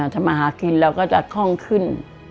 ทำมาหากินเราก็จะคล่องขึ้น